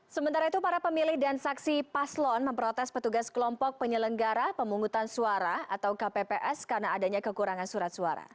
sementara itu para pemilih dan saksi paslon memprotes petugas kelompok penyelenggara pemungutan suara atau kpps karena adanya kekurangan surat suara